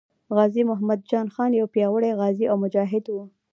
غازي محمد جان خان یو پیاوړی غازي او مجاهد وو.